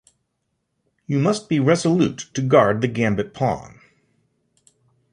You must be resolute to guard the gambit pawn.